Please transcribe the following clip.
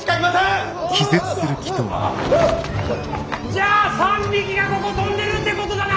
じゃあ３匹がここ飛んでるってことだな！？